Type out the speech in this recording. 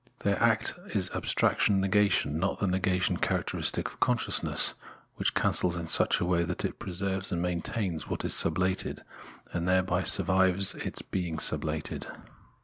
Their act is abstract negation, not the negation characteristic of consciousness, which cancels in such a way that it preserves and maintains what is sublated, and thereby survives its being sub lated.